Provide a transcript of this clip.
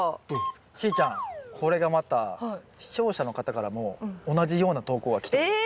しーちゃんこれがまた視聴者の方からも同じような投稿が来てるんです。